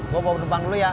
gue bawa pendepan dulu ya